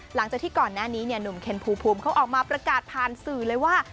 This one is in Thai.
หลังจากที่ก่อนหน้านี้เนี่ยหนุ่มเคนภูมิเขาออกมาประกาศผ่านสื่อเลยว่า